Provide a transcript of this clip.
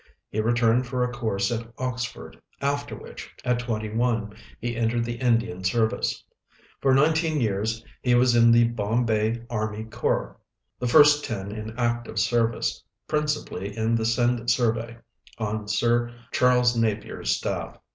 He returned for a course at Oxford, after which, at twenty one, he entered the Indian service. For nineteen years he was in the Bombay army corps, the first ten in active service, principally in the Sindh Survey, on Sir Charles Napier's staff.